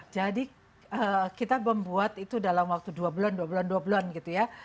jadi kita membuat itu dalam waktu dua bulan dua bulan dua bulan gitu ya